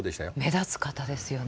目立つ方ですよね。